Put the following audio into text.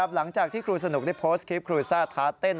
หลังจากที่ครูสนุกได้โพสต์คลิปครูซ่าท้าเต้น